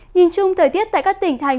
nhìn chung thời tiết tại các tỉnh thành